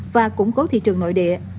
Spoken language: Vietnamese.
và củng cố thị trường nội địa